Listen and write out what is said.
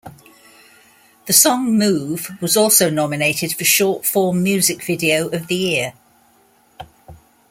The song "Move" was also nominated for Short Form Music Video of the Year.